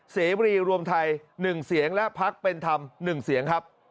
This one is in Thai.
เสรีรวมไทย๑เสียงและพักเป็นธรรม๑เสียงครับ